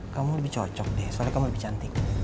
kamu lebih cocok deh soalnya kamu lebih cantik